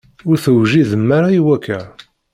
Ur tewjidem ara i wakka.